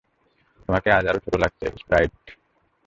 তোমাকে আজ আরও ছোট লাগছে, স্প্রাইট।